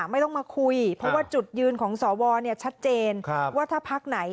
ไม่ต้องมาคุยเพราะว่าจุดยืนของสวชัดเจนว่าถ้าพักไหน